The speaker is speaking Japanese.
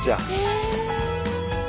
え。